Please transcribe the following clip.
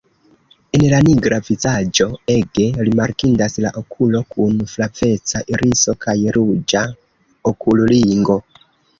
En la nigra vizaĝo ege rimarkindas la okulo kun flaveca iriso kaj ruĝa okulringo.